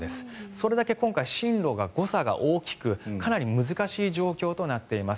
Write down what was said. それだけ今回、進路が誤差が大きくかなり難しい状況となっています。